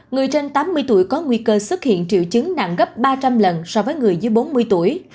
người trên tám mươi tuổi có nguy cơ xuất hiện triệu chứng nặng gấp ba trăm linh lần so với người dưới bốn mươi tuổi